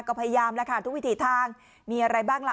ก็พยายามแล้วค่ะทุกวิถีทางมีอะไรบ้างล่ะ